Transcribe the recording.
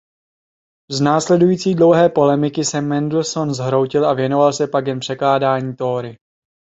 Z následující dlouhé polemiky se Mendelssohn zhroutil a věnoval se pak jen překládání Tóry.